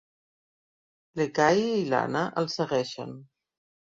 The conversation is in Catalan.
L'Ekahi i l'Anna el segueixen.